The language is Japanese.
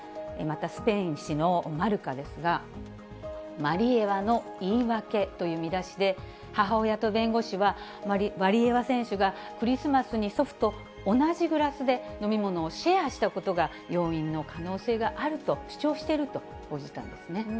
またスペイン紙のマルカですが、ワリエワの言い訳という見出しで、母親と弁護士はワリエワ選手が、クリスマスに祖父と同じグラスで飲み物をシェアしたことが要因の可能性があると、主張していると報じたんですね。